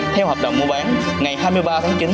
theo hợp đồng mua bán ngày hai mươi ba tháng chín